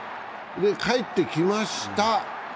帰ってきました。